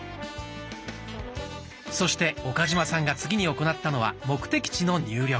そして岡嶋さんが次に行ったのは目的地の入力。